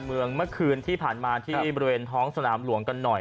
เมื่อคืนที่ผ่านมาที่บริเวณท้องสนามหลวงกันหน่อย